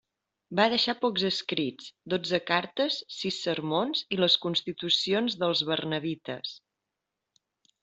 Va deixar pocs escrits: dotze cartes, sis sermons i les constitucions dels barnabites.